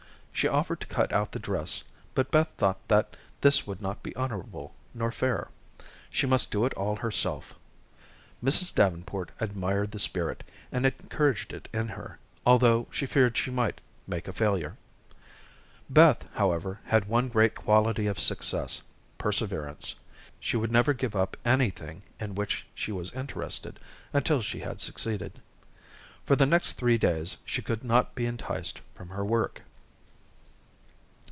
She offered to cut out the dress, but Beth thought that this would not be honorable nor fair. She must do it all by herself. Mrs. Davenport admired the spirit, and encouraged it in her, although she feared she might make a failure. Beth, however, had one great quality of success, perseverance. She would never give up anything in which she was interested, until she had succeeded. For the next three days, she could not be enticed from her work.